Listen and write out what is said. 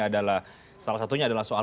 adalah salah satunya adalah soal